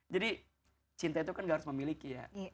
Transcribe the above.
jadi cinta itu kan gak harus memiliki ya